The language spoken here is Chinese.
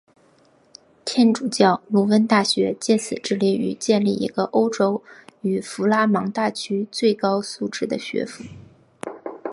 天主教鲁汶大学藉此致力于建立一个欧洲与弗拉芒大区最高素质的学府。